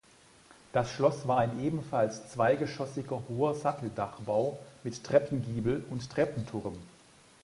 Das Schloss war ein ebenfalls zweigeschossiger hoher Satteldachbau mit Treppengiebel und Treppenturm.